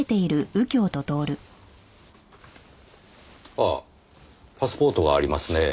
ああパスポートがありますね。